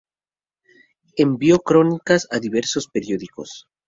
Envió crónicas a diversos periódicos.